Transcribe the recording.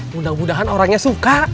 mudah mudahan orangnya suka